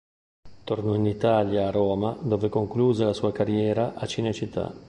Tornò in Italia a Roma dove concluse la sua carriera a Cinecittà.